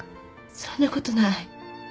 そんなことない。